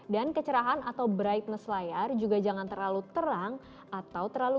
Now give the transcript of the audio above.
dan kecerahan atau brightness layar juga jangan terlalu terang atau terlalu gelap